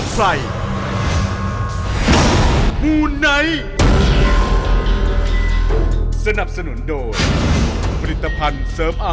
ไปหยิบกระถางขึ้นมา